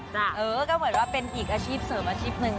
เออก็เหมือนว่าเป็นอีกอาชีพเสริมอาชีพหนึ่ง